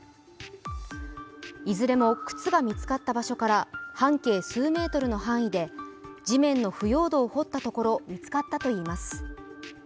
いずれも靴が見つかった場所から半径数メートルの範囲で地面の腐葉土を掘ったところ見つかったといいます。